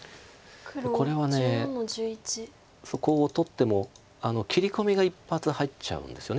これはそこを取っても切り込みが一発入っちゃうんですよね。